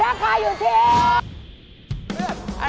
ราคาอยู่ที่